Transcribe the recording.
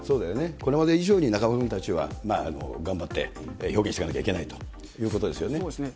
これまで以上に中丸君たちは、頑張って表現していかなきゃいけそうですね。